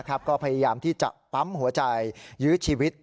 ก็พยายามที่จะปั๊มหัวใจยื้อชีวิต